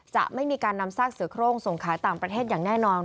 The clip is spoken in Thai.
จะไม่มีการนำซากเสือโครงส่งขายต่างประเทศอย่างแน่นอน